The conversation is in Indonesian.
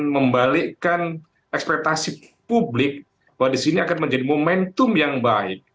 membalikkan ekspektasi publik bahwa disini akan menjadi momentum yang baik